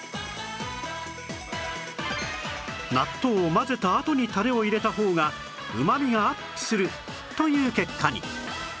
納豆を混ぜたあとにタレを入れた方が旨味がアップするという結果に